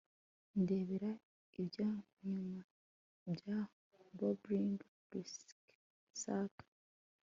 ndebera ibya nyuma bya bobbing rucksack